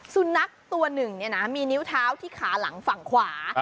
สุนัขตัวหนึ่งมีนิ้วเท้าที่ขาหลังฝั่งขวา